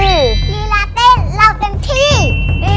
ฮีลาเต้นเราเตรียมที่